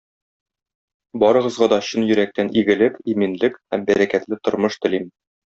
Барыгызга да чын йөрәктән игелек, иминлек һәм бәрәкәтле тормыш телим!